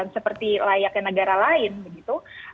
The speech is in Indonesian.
seperti layaknya negara lain begitu